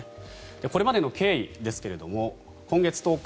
これまでの経緯ですが今月１０日